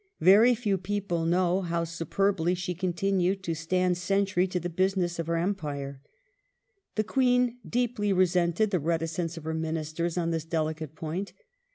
" Very few people know how superbly she continued to stand sentry to the business of her Empire. '"^^ The Queen deeply resented the reticence of her Ministers on this delicate point.